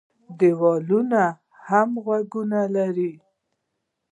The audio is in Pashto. ـ دیوالونه هم غوږونه لري.